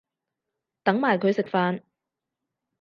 等埋佢食飯